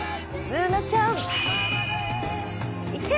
Ｂｏｏｎａちゃん、行け！